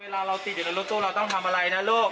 เราติดอยู่ในรถตู้เราต้องทำอะไรนะลูก